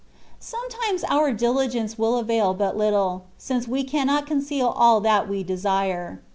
Sometimes our diligence will^avail but little, since we cannot conceal all that we desire.